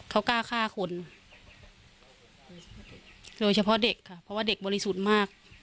เขากล้าฆ่าคนโดยเฉพาะเด็กค่ะเพราะว่าเด็กบริสุทธิ์มาก